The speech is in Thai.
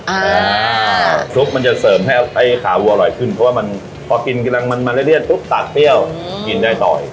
อ่าซุปมันจะเสริมให้ไอ้ขาวัวอร่อยขึ้นเพราะว่ามันพอกินกำลังมันมาเรื่อยปุ๊บตัดเปรี้ยวกินได้ต่ออีก